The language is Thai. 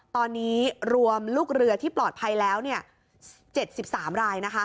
ตอนนี้รวมลูกเรือที่ปลอดภัยแล้ว๗๓ราย